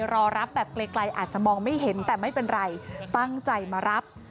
รอรับแบบไกลอาจจะมองไม่เห็นแต่ไม่เป็นไรตั้งใจมารับ